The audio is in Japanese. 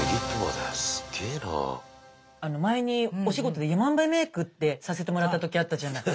皆さんは前にお仕事でヤマンバメークってさせてもらった時あったじゃない？